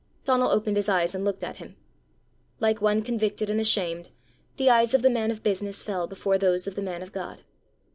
Donal opened his eyes and looked at him. Like one convicted and ashamed, the eyes of the man of business fell before those of the man of God.